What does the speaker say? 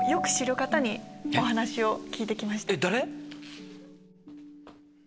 誰？